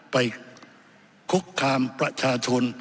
คุกคามประชาชน